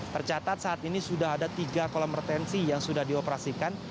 tercatat saat ini sudah ada tiga kolam retensi yang sudah dioperasikan